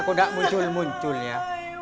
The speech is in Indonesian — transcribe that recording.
kok gak muncul muncul ya